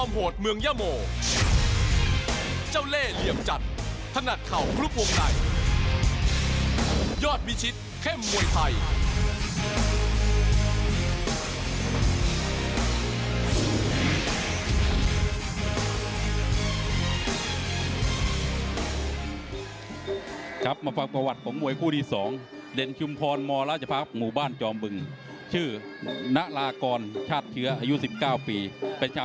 เป็นชาวจังหวัดนครราชศรีมา